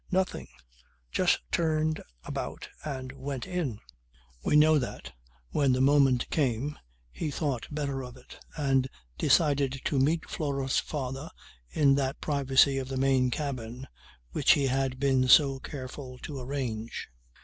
Nothing. Just turned about and went in. We know that, when the moment came, he thought better of it and decided to meet Flora's father in that privacy of the main cabin which he had been so careful to arrange.